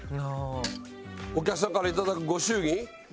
お客さんから頂くご祝儀